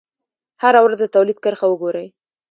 هره ورځ د تولید کرښه وګورئ.